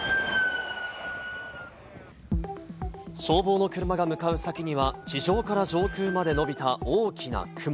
消防の車が向かう先には地上から上空まで伸びた大きな雲。